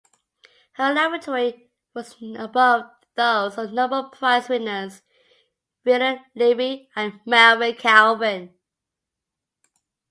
Her laboratory was above those of Nobel Prize winners Willard Libby and Melvin Calvin.